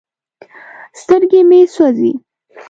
سترګې مې سوزي ـ